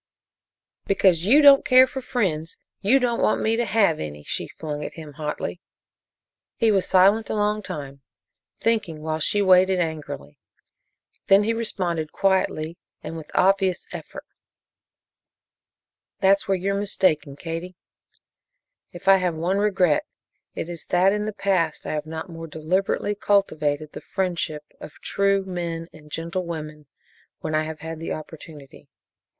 "Because you don't care for friends, you don't want me to have any!" she flung at him hotly. He was silent a long time, thinking, while she waited angrily, then he responded quietly and with obvious effort: "That's where you're mistaken, Katie. If I have one regret it is that in the past I have not more deliberately cultivated the friendship of true men and gentle women when I have had the opportunity.